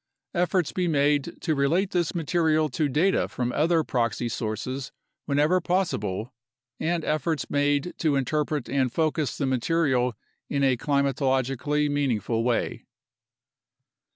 Efforts be made to relate this material to data from other proxy sources whenever possible, and efforts made to interpret and focus the material in a climatologically meaningful way.